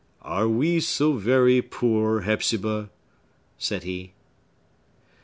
"Are we so very poor, Hepzibah?" said he.